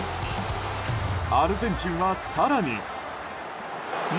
アルゼンチンは、更に。